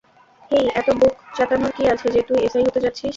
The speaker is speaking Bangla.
হেই, এত বুক চেতানোর কী আছে যে তুই এসআই হতে যাচ্ছিস?